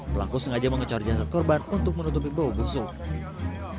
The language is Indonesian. pelaku sengaja mengecor jasad korban untuk menutupi bau busuk